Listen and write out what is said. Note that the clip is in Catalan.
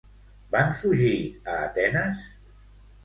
Van fugir a Atenes?